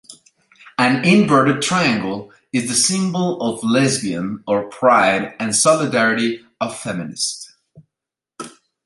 A inverted triangle is the symbol of lesbian or pride and solidarity of feminist.